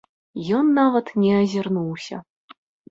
Ён нават не азірнуўся.